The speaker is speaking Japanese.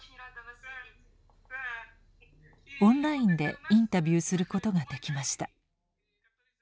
オンラインでインタビューすることができました。